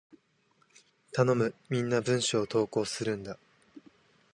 頼む！みんな文章を投稿するんだ！